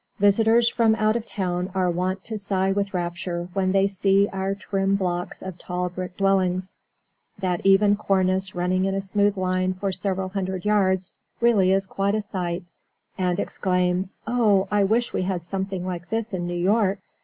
Visitors from out of town are wont to sigh with rapture when they see our trim blocks of tall brick dwellings that even cornice running in a smooth line for several hundred yards really is quite a sight and exclaim, "Oh, I wish we had something like this in New York!"